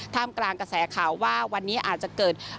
กลางกระแสข่าวว่าวันนี้อาจจะเกิด